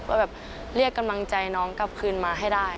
ก็แบบเรียกกำลังใจน้องกลับคืนมาให้ได้